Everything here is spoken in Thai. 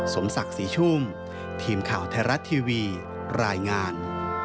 สมศักดิ์ศรีชุ่มทีมข่าวไทยรัฐทีวีรายงาน